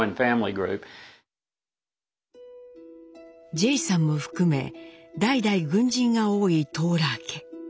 ジェイさんも含め代々軍人が多いトーラー家。